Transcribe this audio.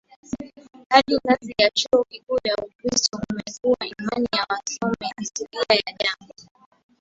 hadi ngazi ya chuo kikuu Ukristo umekuwa imani ya wasomi Asili ya jambo